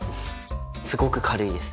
すごく軽いです。